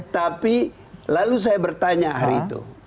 tapi lalu saya bertanya hari itu